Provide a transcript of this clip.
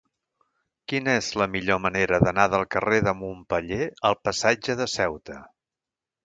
Quina és la millor manera d'anar del carrer de Montpeller al passatge de Ceuta?